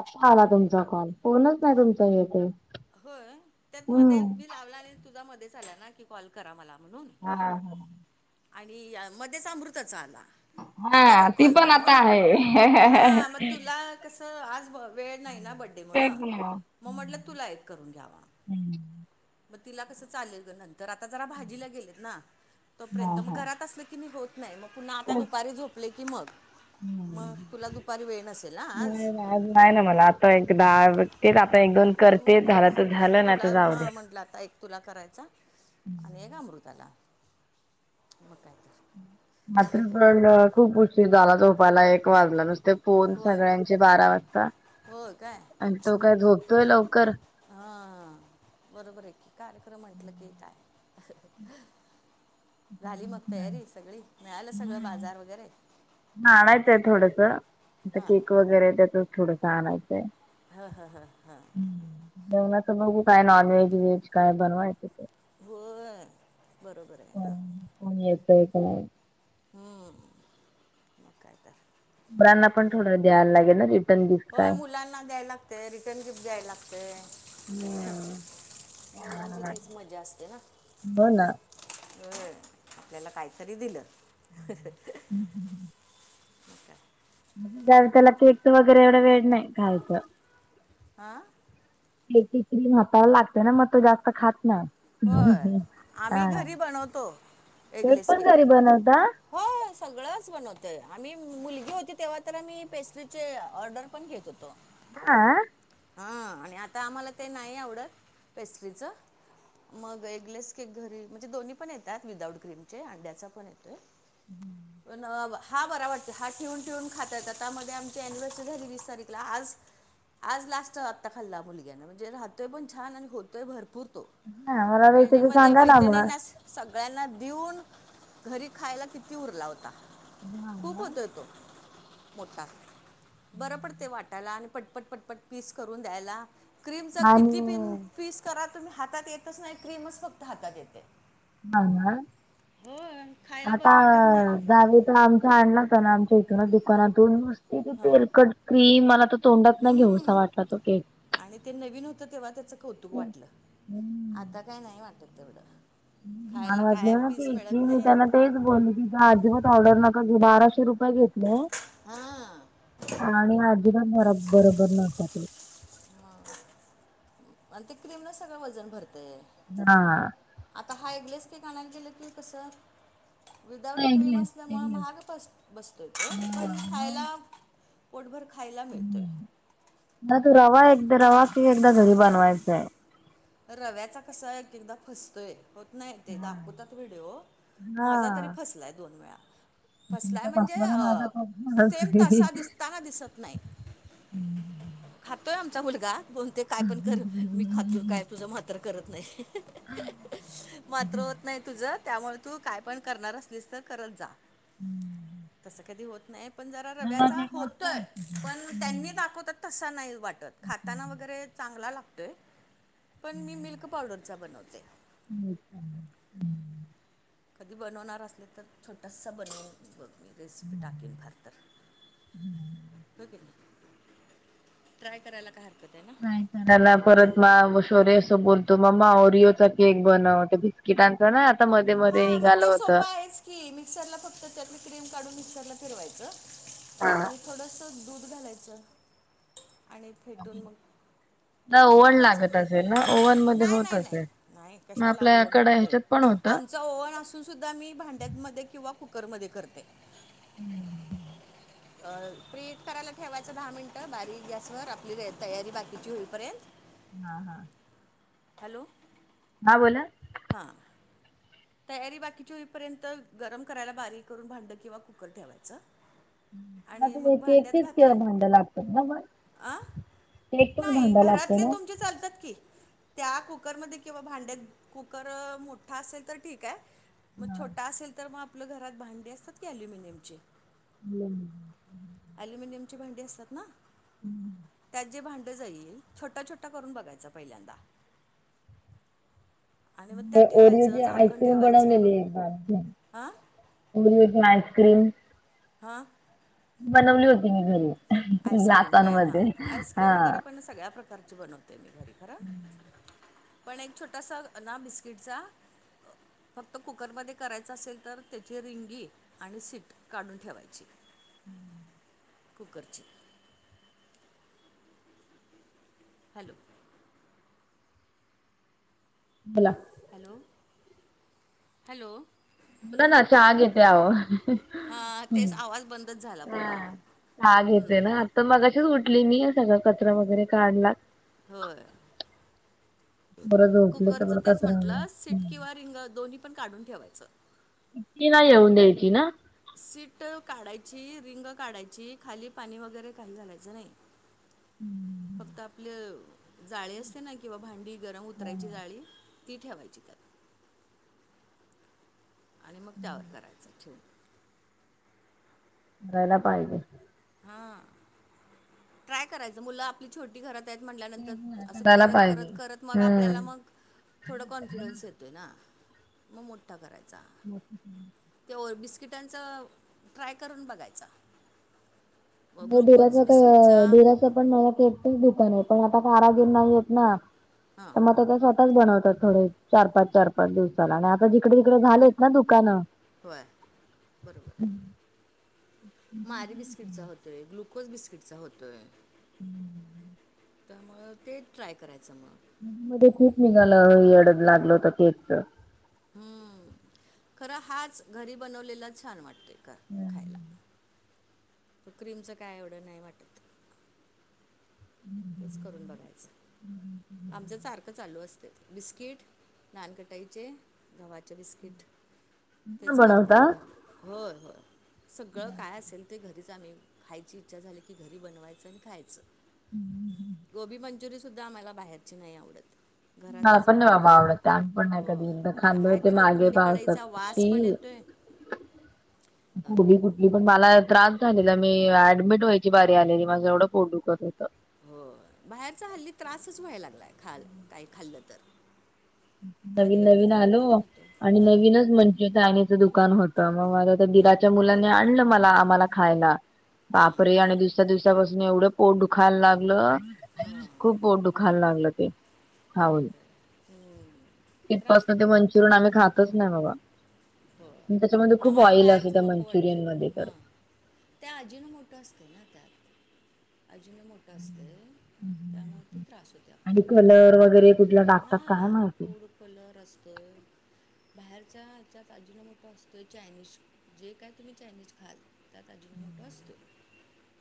आता आला तुमचा कॉल फोनच नाही तुमचा एक एक. होय त्यात मध्ये मी लावला आणि तुझा मध्येच आला ना की कॉल करा मला म्हणून. हा हा आणि मध्येच अमृताचा आला. की हा करा ती कॉल पण आता म्हणून. आहे हा मग तुला, कसं आज व वेळ नाही ना बर्थडे तेच मुळं ना. मग म्हटलं तुला एक करून घ्यावा. ह्म मग तिला कसं चालेल गं नंतर आत्ता जरा भाजीला गेलेत ना हा तोपर्यंत हा मग घरात असलं की मी होत नाही मग पुन्हा आत्ता तेच दुपारी झोपले की मग. मग नाही तुला दुपारी वेळ नसेल ना आज? ना नाही ना मला आता एक दहा तेच आता एक दोन म्हणून मी करते झालं तर म्हटलं. एक झालं नाही तुला तर जाऊ दे. हा म्हण आपला आता एक तुला करायचा आणि एक अमृताला. मग काय तर. रात्री पण खूप उशीर झाला झोपायला एक वाजला न ते फोन होय सगळ्यांचे बारा वाजता होय काय आणि तो काय झोपतोय लवकर. हा बरोबर आहे की कार्यक्रम म्हंटला की काय, झाली मग नाही. तयारी सगळी मिळालं सगळ बाजार वगैरे? हा आणायचं आहे थोडंसं ते हां केक वगैरे त्याचाचं थोडंस आणायचं आहं. हा हा हा हा जेवणाचं बघू काय नॉनव्हेज बिनव्हेज काय बनवाय येतंय काय. होय बरोबर आहं. हम्म कोण येतंय काय. ह्म म काय काय. बानां पण थोडं द्यायला लागलेलं ना जिभ, होय मुलांना द्याय लागतंय रिटर्न गिफ्ट द्याय लागतंय. हम्म. मुलांची तीच मज्जा असते ना. हो ना होय आपल्याला काहीतरी दिलं ह्अ. हम्म ह्. ज्यादा त्याला केक वगैरे एवढं वेड नाही खायचं. हा केकची क्रीम हाताला लागते ना मग तो जास्त खातं नाय. होय आम्ही घरी बनवतो ऐगलेस पण घरी केक. बनवता? हो सगळंच बनवतोय आम्ही मुलगी तेव्हा तर पेस्ट्रीचे ऑर्डर, पण घेत हो तो. हा हां, आणि आता आम्हाला ते नाही आवडतं, पेस्ट्रीचं मग एगलेस केक घरी, म्हणजे दोन्ही पण येतात विदाऊट क्रीमचे, अंड्याचा पण येतोय, पण नाय बाबा [unintelligible] हा बरा वाटतोय, हा ठेवून ठेवून खाताात, आता मध्ये आमची अनिव्हर्सरी झाली वीस तारखेला, आज आज लास्टचा आत्ता खाल्ला मुलग्यानं, म्हणजे राहतोय पण छान आणि होतोय पण भरपूर तो. हा मला बिल्डिंग रेसिपी मध्ये सांगा ना मग. मैत्रिणींनास सगळ्यांना देऊन, घरी खायला किती उरला होता. हा खूप होतोय ना तो, मोठा, बरं पडतय वाट वाटायला आणि पटपट पटपट पीस करून द्यायला, क्रीमचा आणि किती पिन पीस करा तुम्ही हातात येतच नाही, क्रीमच फक्त हातात येते. हां ना, हो खायला आता बरं वाटत नाही जावी तर आमच्या अण्णा ना आमच्या इथूनच दुकानातून नुसती हां तेलकट क्रीम मला तो तोंडात ना हम्म. घेऊसा वाटला तो केक, तो आणि ते नवीन होतं तेव्हा त्याचं कौतुक वाटलं, आता काय नाही वाटत तेवढं. माण खायला काय वातले ना पीस की मिळत मी नाही त्यांना तेच बोल की आज [unintelligible] ऑर्डर नका घेऊ, बाराशे रुपये घेत हां. आणी आजीबात बर बरोबर नसतात केक. मग. आणि ते क्रीमनं सगळं वजन भरतंय. हां. आता हा एग्लेस केक आणायला गेला की कसं, विदाउट क्रीम एगलेस असल्यामुळं एगलेस. महाग बसतोय तो, पण हा मग खायला पोटभर खायला मिळतोय, तूच ये एकदा घरी बनवायचंय. रव्याचा कसं एकएकदा फसतोय. होत नाही, ते दाखवतात व्हिडिओ, हा माझा तरी फसलाय दोन वेळा. फसलाय तुमचा म्हणजे, कसला ना माझा सेम तसा खूप. दिस ताना दिसत नाही, खातोय आमचा मुलगा. बोलतोय काय पण कर, मी खातोय, काय तुझं मात्र करत नाही. मात्र होत नवाज नाही तुझं, त्यामुळं तू काय पण करणार असलीस तर करत जा. तसं कधी होत नाही पण जरा रव्याचा एक मस्त होतोय, वाटतं पण त्यांनी हम्म. दाखवतात तसं नाही वाटत. खाताना वगैरे चांगला लागतोय. पणं मी मिल्क पावडरचा बनवते. कधी बनवणार असलं तर, छोटासा बनवून बघ. मी रेसिपी टाकिन फार तर. होय की नाई, ट्राय करायला काय हरकत हाय ना. ना परत म [unintelligible] शोरे असं बोलतो, मम्मा ओरिओचा केक बनव. बिस्कीटांचा ना आता मध्ये मध्ये हां मग निघालं ते होतं. सोपं आहेच की मिक्सर ला फक्त त्यातली क्रीम काढून मिक्सरला फिरवायचं. चं, आणि थोडसं दूध घालायचं, आणि फेटून मग ना लगेच ओव्हन लावायचा, लागत असेल ना ओव्हन मध्ये नाय होत नाय नाय, असेल. नाई मग कशाला ओव्हन आपल्याकडे लागतोय, ह्याच्यात पण होतं. आम च ओवन असून सुद्धा मी भांड्यामध्ये किंवा कुकरमध्ये करते. हम्म. प्रिट हिट करायला ठेवायच दहा मिनिटं बारीक गॅसवर आपली तयारी बाकीची होईपर्यंत. हा हा हॅलो हा बोला. हां तयारी बाकीची होईपर्यंत गरम करायला बारीक करून भांड किंवा कुकर ठेवायचं. आणि ते मग भांड्यात घातलं केकचेच भांड लागतात ना मग आ? केकचच नाही भांड लागतं घरातले ना. तुमचे चालतात की. त्या कुकरमध्ये किंवा भांड्या कुकर मोठा असेल तर ठीक हाय. मग छोटा असेल तर मग आपलं घरात भांडी असतात की ॲल्युमिनियमचे, [unintelligible] ॲल्युमिनियम ची भांडी असतात ना त्यात जे भांड डॉ जाईल छोटा छोटा करून बघायचा पहिल्यांदा. आणि मग त्यात ठेवायचं ओरिओची झाकण आस्क्रीम ठेवायचं बनवलेली एकदा, हां ओरीओची आईस्क्रीम. हां बनवली होती मी घरी आईस्क्रीम होय हा ग्लासांमध्ये हा आईस्क्रीम वगैरे पण सगळ्या प्रकारची बनव ते मी घरी खरं पण एक छोटासा ना बिस्किटचा, फक्त कुकरमध्ये करायचं असेल तर त्याची रिंगी आणि सीट काढून ठेवायची. [unintelligible] कुकरची. हॅलो बोला हॅलो हॅलो बोला ना चहा घेते अहो. हां हम् तेच आवाज बंदच झाला पूर्ण हा चाह घेते ना. तर मगाशीच उठली मी सगळं कचरा वगैरे काढला. होय. बरं झोपले तर बरं कुकरचं तेच कचरा म्हटलं सीट वगैरे किंवा रिंग दोन्ही पण काढून ठेवायचं. सीटी नाही येऊन द्यायची ना? सीट काढायची रिंग काढायची खाली पाणी वगैरे काही घालायचं नाही. फक्त आपलं, जाळी असते ना किंवा भांडी गरम उतरायची जाळी ती ठेवायची त्या. आणि मग त्यावर करायचं. [inaudible] करायला पाहिजे. हा ट्राय करायचं मुलं आपली छोटी घरात, आहं. म्हल्यानंतर असं करायला करत करत पाहिजे. करत मग आपल्याला हम्म. मग, थोडा कॉन्फिडन्स येतोय ना मग मोठा करायचा. [unintelligible] ते ओर बिस्किटांचा ट्राय करून बघायचा. [unintelligible] ग्लुकोज बिस्किटचा ते पण मला भेटतंय दुकानावर पण आता कारागीर नाही येत ना हां तर मग आता शा टच बनवतात थोडे चार पाच चार पाच दिवसाला आणि आता जिकडे तिकडे झालेत ना दुकानं. होय बरोबर. मारी बिस्किटचा होतोय ग्लुकोज बिस्किटचा होतोय. हम्म. तर मग ते ट्राय करायचं मग. मध्ये क निघाला येड लागलं होत केकच. हम्म खरं हाच घरी बनवलेला छान वाटतय का खायला. क्रीमचं काय येवढं नाही वाटत. हम्म. तेच करून बघायचं आमच सारखं चालू असत बिस्किट. नानकटाईचे गव्हाचे बिस्कीट. पण तेच करते बनवता मी घरी होय होय सगळं काय असेल. ते घरीच आम्ही खायची इच्छा झाली की घरी बनवायचं आणि खायचं. हम् ह. गोबी मंचुरी सुद्धा आम्हाला बाहेरची नाही आवडत. मला घरातच पण नाही बनवून बाबा खातो आवडत आम्ही पण नाही कधी होय एकदा खाल्ले काय होते ते मागे लोखंडी कढाईचा पावसात वास शी पण येतोय. [inaudible] [unintelligible] पण मला त्रास झालेला मी ऍडमिट व्हायची बारी आलेली माझं एवढं पोठ दुखत होत. हो बाहेरचा हल्ली त्रासच व्हायला लागलाय खाल काही खालं तर. नवीन आधी एवढं नवीन काय आलो. वाटत आणि नव्हतं हां नवीनच म्हणजे यनीचं दुकान होतं मग माझ हां दिलाच्या मुलानी आणलं मला आम्हाला. खायला हां बापरे आणि दुसऱ्या दिवसापासून एवढं पोट दुखायला लागलं. खूप पीठ दुखायला लागलं ते. बरोबर आहे हम्म. त्रास तितपासून ते होतोय मंचुरियन आम्ही खातच नाही बाबा हो आणि त्याच्यामध्ये खूप आम्हाला ऑइल असते बाहेरचं त्या नको वाटतं मंचुरियन मध्ये तर हा. ते हजिना मोठं असते ना त्यात. हजूनो मोठं असतं त्यामुळे ते त्रास होते आणि आपल्याला पोटाला. कलर वगैरे कुठला टाकतात हां काय माहि फूड कलर असतो होय. बाहेरच्याच्या हजीनों मोठा असतोय चायनीज जे काय तुम्ही चायनीज खाल. त्यात आजि न मोठ असतो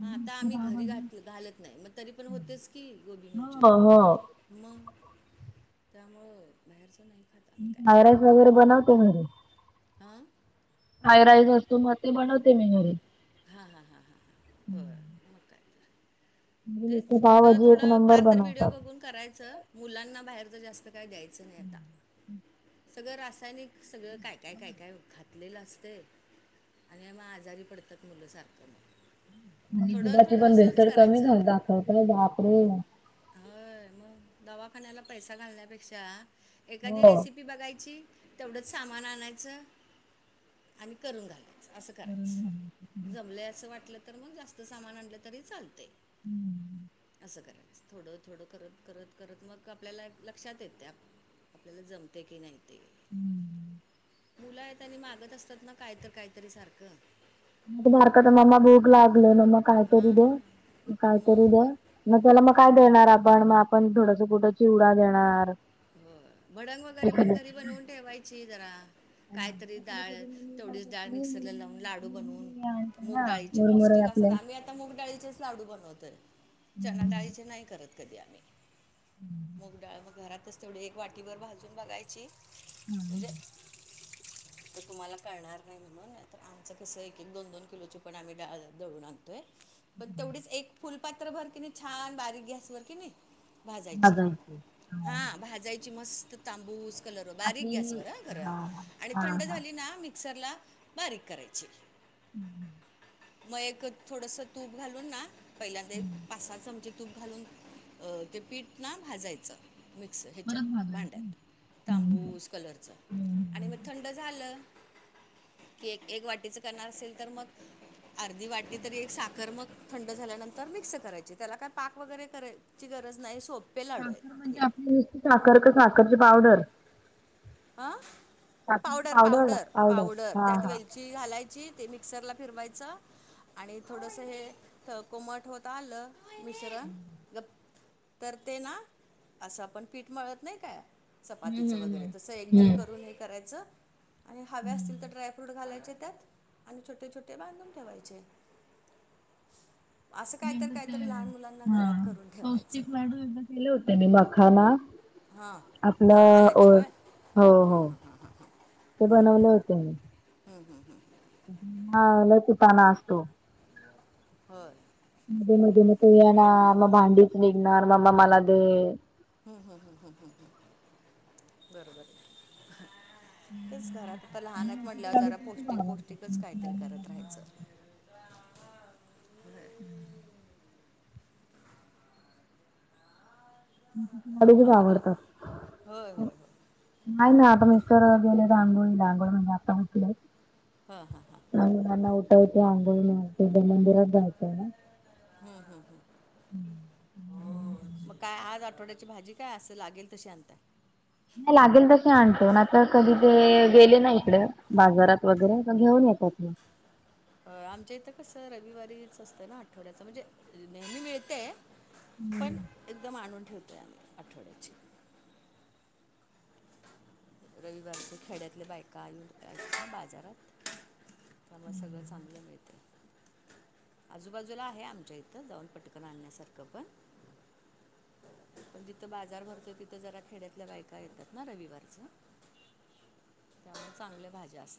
हा आता आम्ही. घरी घात घालत नाही मग तरी पण होतेच की गोबी हो हो मंचुरियन. मग त्यामुळं बाहेरचं नाही खात. आम्ही काय सााय राईस वगैरे बनवते मी घरी. हा. फ्राईड राईस असतो मग ते बनवते मी घरी. हां हां हां हां बर मग काय? तर म्हणजे तेच इथे थोडं पावभाजी एक थोडं नंबर फार तर व्हिडिओ बनवतात बघून करायचं. मुलांना बाहेरच जास्त काय द्यायचं नाही आता. सगळं रासायनिक सगळं काय काय काय काय घातलेलं असते. आणि मग आजारी पडतात मुलंसारखं मग. आणि थोडं दुधाची थोडं पण भेसळ असंच तर कमी करायचं दाखवतायत बापरे! होय मग दवाखान्याला पैसा घालण्या पेक्षा एखादी रेसिपी. एखादी हो रेसिपी बघायची तेवढंच सामान आणायचं आणि करून घाला. असं करायचं जमलंय असं वाटलं तर मग जास्त सामान आणलं तरी चालते. हम्म असं करायचं थोडं थोडं करत करत करत मग आपल्याला लक्षात येते. आपल्याला जमते की नाही ते, हम्म मुलं आहेत आणि मागत असतात ना कायतर काहीतरी सारखं, तो बारका तर मम्मा भूग लागली मम्मा कायतरी दे हां कायतरी मग दे, मग त्याला मग काय देणार आपण मग आपण थोडंस कुठं चिवडा देणार, होय, भडंग वगैरे एखाद पण घरी बनवून ठेवायची जरा. कायतरी कधी डाळ कधी मम्मी काय तेवढीच डाळ करते मिक्सरला लावून मुरमु लाडू बनवून. मुरमुरे आणते मूग ना डाळीचे मुरमुरे पौष्टीक असं आपले लागत्यात. मुग डाळीचेच लाडू बनवतोय चना डाळीचे नाही करत. कधी आम्ही मुग डाळ मग घरातच तेवढी एक वाटीभर भाजून बघायची. म्हणजे. तर तुम्हाला कळणार नाही म्हणून तर आमचं कस एक एक दोन दोन किलोची पण आम्ही डाळ दळून आणतोय. पण तेवढीच एक फुलपात्र भर की नाही छान बारीक गॅसवर कि नाही भाजायची. हा भाजायची मस्त तांबूस, कलर बारीक आपली ही गॅसवर हा खरं हा आणि हा थंड हा झाली ना मिक्सरला बारीक करायची. हं मग एक थोडस तूप घालून ना पहिल्यांद एक हम्म. पाच सहा चमचे. तूप घालून ते पीठ ना भाजायचं मिक्स परत ह्याच्यात भाजायचं. भांड्यात हम्म. तांबूस कलरच हम्म आणि मग हम्म. थंड झालं, की एक एक वाटीच करणार असेल तर मग. अर्धी वाटी तरी एक साखर मग थंड झाल्यानंतर मिक्स करायची त्याला काय पाक वगैरे कराय ची गरज नाही. सोप- साखर म्हणजे आपली नुसती साखर का साखरच पावडर अं साखरची पावडर, पावडर, पावडर हा त्यात हा वेल ची घालायची ते मिक्सरला फिरवायचं. आणि थोडंसं हे कोमट होत आलं. मिश्रण गप तर ते ना असं आपण पीठ मळत नाही काय. चपातीच हम्म हम्म वगैरे हम्म. तसं एकजीव हम्म. करून हे करायचं. आणि हवे् असतील तर हम्म. ड्रायफ्रूट घालायचे त्यात आणि छोटे छोटे बांधून ठेवायचे. असं मी काहीतर, एकदा ते काहीतरी लहान मुलांना घरात करून ठेवायचं. केल होत मी मखाना, हां आपलां मखानाचे होय हो हो, ते बनवल होत मी. हं हं हं हा लय कुटाणा असतो. होय. मध्ये मध्ये मग तो येणार मग भांडीच निघणार मम्मा मला दे. हम् हम्म हम्म हम्म हम्म हम् बरोबर आहे. तेच घरात आता लहान आहेत लाडू म्हटल्यावर पण जरा खूप पौष्टिक आवडतात पौष्टिकच काहीतरी करत राहायचं. हम्म [unintelligible] आवरलं आवडतात मग होय होय होय नाही ना मिस्टर जांगोळीडांगोळ म्हणजे आता होटले [inaudible] हां हां हां नंग नना ऊट तेी अंगोोल मते मंदिराात जायतेय ना [inaudible] हम्म हम् हम्. मग काय आज आठवड्याची भाजी काय असं लागेल तशी आणताय. नाही लागेल तशी आणतो आता कधी ते गेले ना इकडे. बाजारात वगैरे घेऊन येतात हे. आमच्या इथं कसं रविवारीच असतं ना आठवड्याच म्हणजे नेहमी मिळतेय. हम्म. पण एकदम आणून ठेवतोय आम्ही आठवड्याची. रविवारचे खेड्यातले बायका आली कआली का बाजारात. त्यामुळ सगळं चांगलं मिळतं. आजूबाजूला आहे आमच्या इथं जाऊन पटकनं आणण्यासारखं पण. पण जिथं बाजार भरतोय तिथं जरा खेड्यातल्या बायका येतात ना रविवारच. त्यामुळे चांगले भाज्या अस.